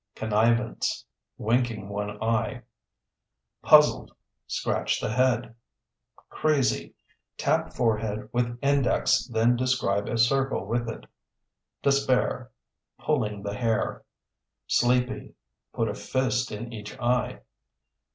Connivance (Winking one eye). Puzzled (Scratch the head). Crazy (Tap forehead with index then describe a circle with it). Despair (Pulling the hair). Sleepy (Put a fist in each eye).